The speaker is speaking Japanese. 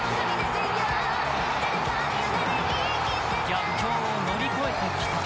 逆境を乗り越えてきた。